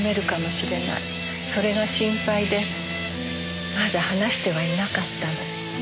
それが心配でまだ話してはいなかったの。